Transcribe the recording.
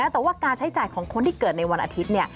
แต่ว่าการใช้จ่ายของคนที่เกิดในวันอาทิตย์